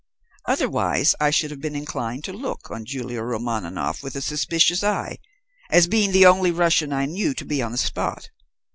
Otherwise I should have been inclined to look on Julia Romaninov with a suspicious eye, as being the only Russian I knew to be on the spot.